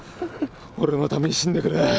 俺のために死んでくれ。